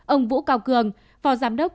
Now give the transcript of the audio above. ông vũ cao cường phó giám đốc